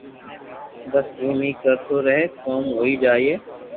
بس ايم ھي ڪرتو رھي ڪوم ھوئي جائي